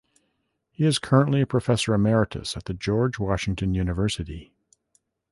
He is currently a professor emeritus at the George Washington University.